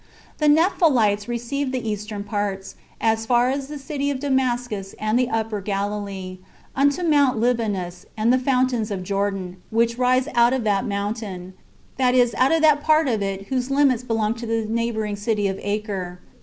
The Naphthalites received the eastern parts, as far as the city of Damascus and the Upper Galilee, unto Mount Libanus, and the Fountains of Jordan, which rise out of that mountain; that is, out of that part of it whose limits belong to the neighboring city of Arce.